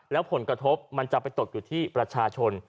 แล้วผลกระทบมันจะไปตกอยู่ที่ประชาชน